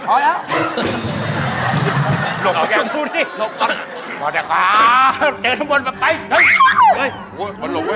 โอ๊ยเสมอลงเจมส์